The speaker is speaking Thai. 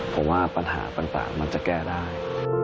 ผมว่าปัญหาต่างมันจะแก้ได้